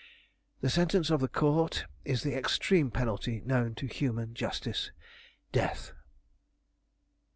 The sentence of the Court is the extreme penalty known to human justice Death!"